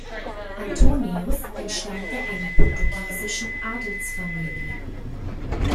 Antonius entstammte einer portugiesischen Adelsfamilie.